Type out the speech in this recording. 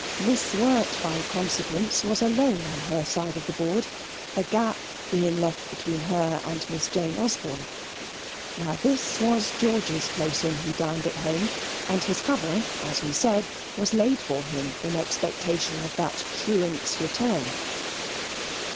Miss Wirt, by consequence, was alone on her side of the board, a gap being left between her and Miss Jane Osborne. Now this was George's place when he dined at home; and his cover, as we said, was laid for him in expectation of that truant's return.